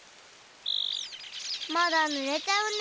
まだぬれちゃうね。